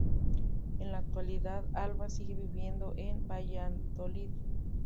En la actualidad, Alba sigue viviendo en Valladolid.